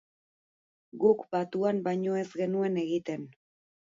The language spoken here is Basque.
Guk batuan baino ez genuen egiten.